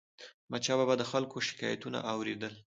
احمدشاه بابا به د خلکو شکایتونه اور يدل.